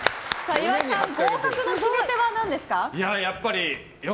岩井さん、合格の決め手は何ですか？